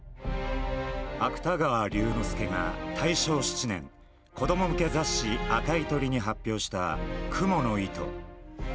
芥川龍之介が大正７年子ども向け雑誌「赤い鳥」に発表した「蜘蛛の糸」。